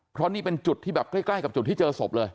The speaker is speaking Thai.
เพราะนี่เป็นจุดที่แบบใกล้กับจุดที่เจอศพเลย